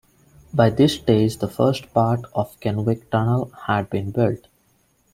By this stage the first part of the Kenwick Tunnel had been built.